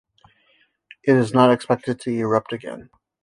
It is not expected to erupt again.